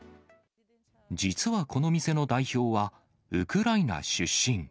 実はこの店の代表は、ウクライナ出身。